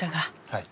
はい。